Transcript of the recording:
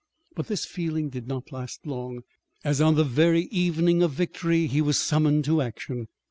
But this feeling did not last long, as on the very evening of victory he was summoned to action.